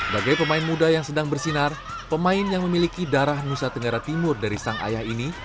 bagai pemain muda yang sedang bersinar pemain yang memiliki darah nusa tenggara timur dari sang ayah ini